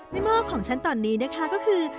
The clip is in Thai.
หม้อของฉันตอนนี้นะคะก็คือ